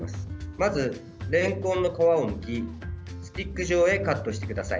まず、れんこんの皮をむきスティック状にカットしてください。